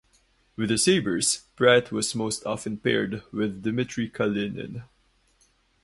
With the Sabres, Pratt was most often paired with Dmitri Kalinin.